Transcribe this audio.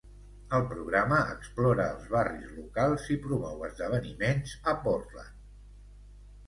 El programa explora els barris locals i promou esdeveniments a Portland.